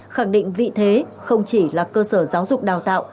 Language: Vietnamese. khẳng định vị thế không chỉ là cơ sở giáo dục đào tạo